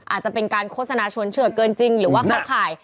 อาจจะเป็นการโฆษณาชวนเฉือกเกินจริงหรือว่าเข้าข่าย